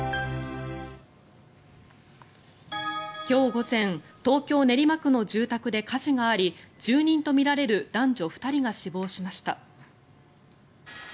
今日午前東京・練馬区の住宅で火事があり住人とみられる男女２人が死亡しました。